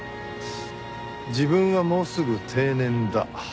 自分はもうすぐ定年だ。